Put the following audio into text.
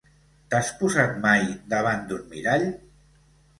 T'has posat mai davant d'un mirall?